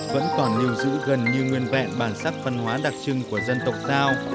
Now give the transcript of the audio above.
vẫn còn lưu giữ gần như nguyên vẹn bản sắc văn hóa đặc trưng của dân tộc giao